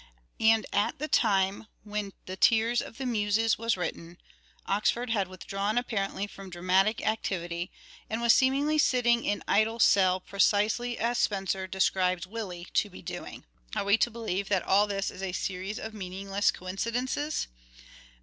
And at the time when " The Tears of the Muses " was written, Oxford had withdrawn apparently from dramatic activity and was seemingly " sitting in idle cell " precisely as Spenser describes 346 " SHAKESPEARE " IDENTIFIED " Willie " to be doing. Are we to believe that all this is a series of meaningless coincidences